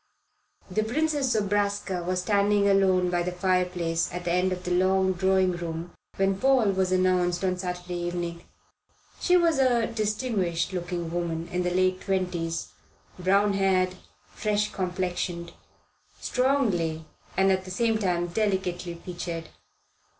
The Princess Zobraska was standing alone by the fireplace at the end of the long drawing room when Paul was announced on Saturday evening. She was a distinguished looking woman in the late twenties brown haired, fresh complexioned, strongly and at the same time delicately featured.